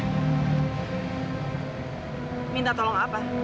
aku mau minta tolong